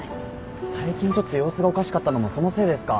最近ちょっと様子がおかしかったのもそのせいですか？